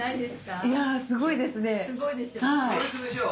いやすごいですね。